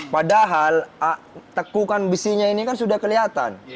padahal tekukan besinya ini kan sudah kelihatan